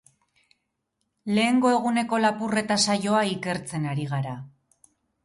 Lehengo eguneko lapurreta saioa ikertzen ari gara.